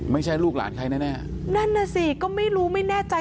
ลูกหลานใครแน่แน่นั่นน่ะสิก็ไม่รู้ไม่แน่ใจ